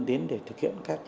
đến để thực hiện các cái